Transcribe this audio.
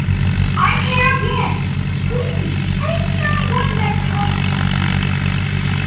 The single was the first to be released from the "Choke" album.